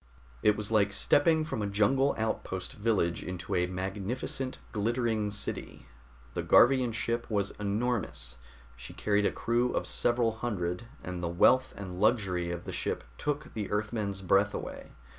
It was like stepping from a jungle outpost village into a magnificent, glittering city. The Garvian ship was enormous; she carried a crew of several hundred, and the wealth and luxury of the ship took the Earthmen's breath away.